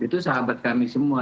itu sahabat kami semua